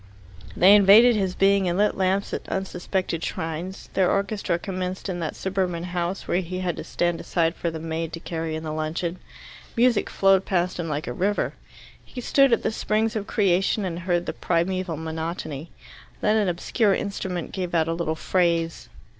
They invaded his being and lit lamps at unsuspected shrines. Their orchestra commenced in that suburban house, where he had to stand aside for the maid to carry in the luncheon. Music flowed past him like a river. He stood at the springs of creation and heard the primeval monotony. Then an obscure instrument gave out a little phrase.